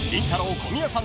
小宮さん